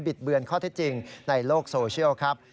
ดเบือนข้อเท็จจริงในโลกโซเชียลครับ